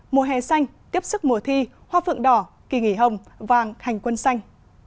mùa hè xanh tiếp sức mùa thi hoa phượng đỏ kỳ nghỉ hồng vàng hành quân xanh